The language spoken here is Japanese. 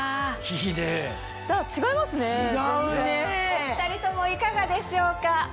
お２人ともいかがでしょうか？